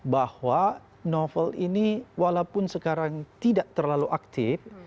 bahwa novel ini walaupun sekarang tidak terlalu aktif